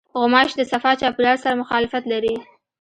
غوماشې د صفا چاپېریال سره مخالفت لري.